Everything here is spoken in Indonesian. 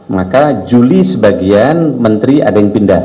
maka juli sebagian menteri ada yang pindah